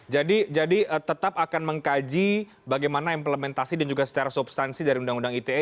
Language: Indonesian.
jadi tetap akan mengkaji bagaimana implementasi dan juga secara substansi dari undang undang ite